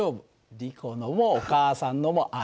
リコのもお母さんのもあるんだよ。